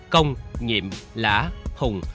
công nhiệm lã hùng